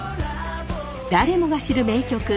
誰もが知る名曲